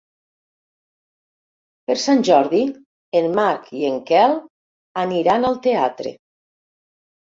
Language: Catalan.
Per Sant Jordi en Marc i en Quel aniran al teatre.